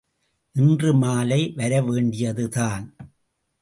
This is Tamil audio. இன்று மாலை வரவேண்டியதுதான்.